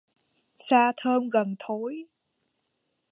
Xa thơm gần thối